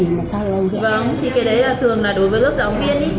vâng thì cái đấy thường là đối với lớp giáo viên